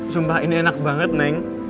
sumpah ini enak banget neng